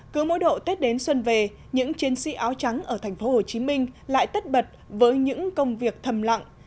cứ mỗi độ tết đến xuân về những chiến sĩ áo trắng ở tp hcm lại tất bật với những công việc thầm lặng